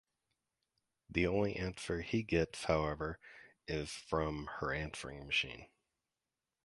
The only answer he gets, however, is from her answering machine.